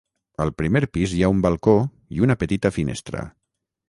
Al primer pis hi ha un balcó i una petita finestra.